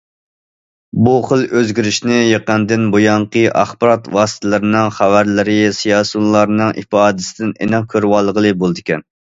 بۇ خىل ئۆزگىرىشنى يېقىندىن بۇيانقى ئاخبارات ۋاسىتىلىرىنىڭ خەۋەرلىرى، سىياسىيونلارنىڭ ئىپادىسىدىن ئېنىق كۆرۈۋالغىلى بولىدىكەن.